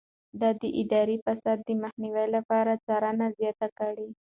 ده د اداري فساد د مخنيوي لپاره څارنه زياته کړه.